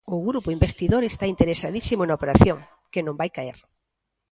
O grupo investidor está interesadísimo na operación, que non vai caer.